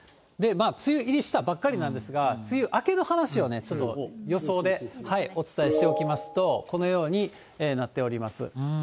梅雨入りしたばっかりなんですが、梅雨明けの話をね、ちょっと予想でお伝えしておきますと、このようになっております。